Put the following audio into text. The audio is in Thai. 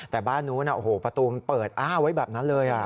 แต่บ้านนู้นนะโอ้โหะประตูมันเปิดคือกระวังแบบนั้นเลยอ่ะ